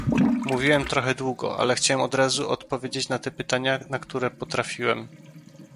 Mówiłem trochę długo, ale chciałem od razu odpowiedzieć na te pytania, na które potrafiłem